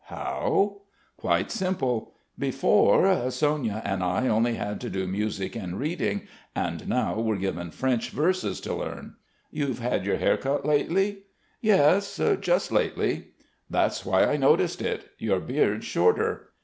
"How?" "Quite simple. Before, Sonya and I only had to do music and reading, and now we're given French verses to learn. You've had your hair cut lately?" "Yes, just lately." "That's why I noticed it. Your beard's shorter.